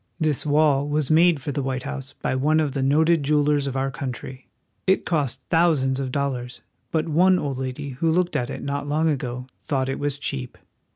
This wall was made for the White House by one of the noted jewel ers of our country. It cost thousands of dollars, but one old lady who looked at it not long ago thought it was cheap.